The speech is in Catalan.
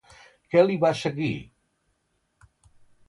Què li va seguir?